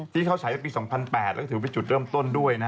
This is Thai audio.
ที่เขาใช้ตั้งแต่ปี๒๐๐๘แล้วก็ถือไปจุดเริ่มต้นด้วย